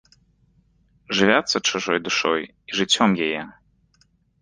Жывяцца чужой душой і жыццём яе!